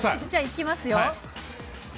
じゃあ、いきますよ。